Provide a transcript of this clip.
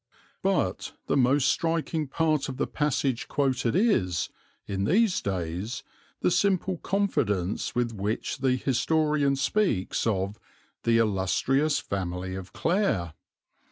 But the most striking part of the passage quoted is, in these days, the simple confidence with which the historian speaks of "the illustrious family of Clare."